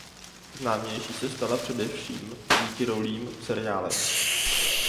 Známější se stala především díky rolím v seriálech.